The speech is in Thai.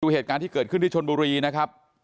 เหตุการณ์ที่เกิดขึ้นที่ชนบุรีนะครับ